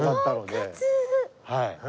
はい。